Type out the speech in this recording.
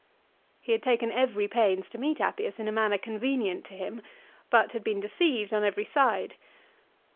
2 He had taken every pains to meet Appius in a manner convenient to him, but had been deceived on every side.